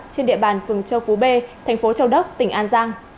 trên địa bàn phường châu phú b thành phố châu đốc tỉnh an giang